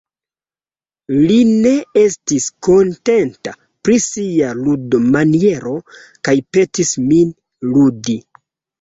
Li ne estis kontenta pri sia ludomaniero kaj petis min ludi.